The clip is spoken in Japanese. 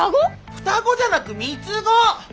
双子じゃなく３つ子！